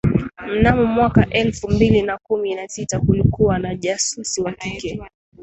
mnamo mwaka elfu mbili na kumi na sita kulikuwa na jasusi wa kike